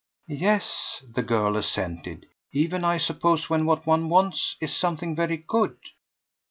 "Yes," the girl assented, "even I suppose when what one wants is something very good."